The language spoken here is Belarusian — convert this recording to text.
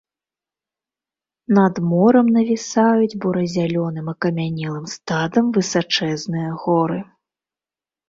Над морам навісаюць бура-зялёным акамянелым стадам высачэзныя горы.